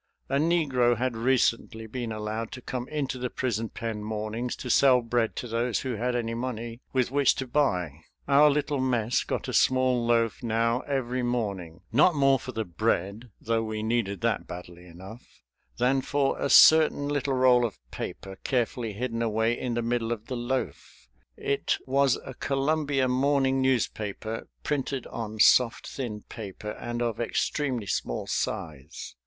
A negro had recently been allowed to come into the prison pen mornings to sell bread to those who had any money with which to buy. Our little mess got a small loaf now every morning; not more for the bread, though we needed that badly enough, than for a certain little roll of paper carefully hidden away in the middle of the loaf. It was a Columbia morning newspaper printed on soft thin paper and of extremely small size.